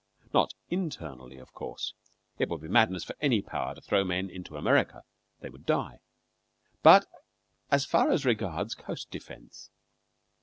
Not internally, of course it would be madness for any Power to throw men into America; they would die but as far as regards coast defence.